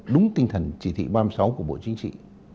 đúng tinh thần chỉ thị ba mươi sáu của bộ chính trị